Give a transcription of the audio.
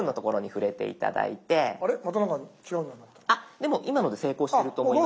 でも今ので成功していると思います。